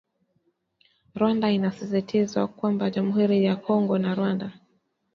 Rwanda inasisitizwa kwamba jamuhuri ya Kongo na Rwanda